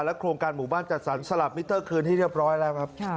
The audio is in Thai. โครงการหมู่บ้านจัดสรรสลับมิเตอร์คืนให้เรียบร้อยแล้วครับ